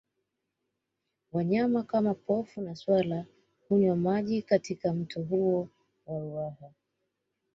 Wanyama kama Pofu na swala hunywa maji katika mto huo wa Ruaha